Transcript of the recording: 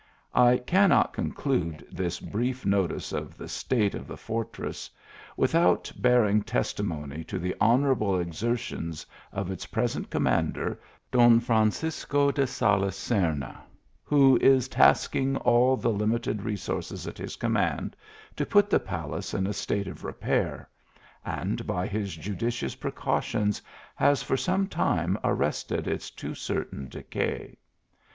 I can not conclude this brief notice of the state of the fortress, without bearing testimony to the honour able exertions of its present commander, Don Fran cisco de Salis Serna, who is tasking all the limited resources at his command, to put the palace in a state of repair; and by his judicious precautions has for some time arrested its too certain decay.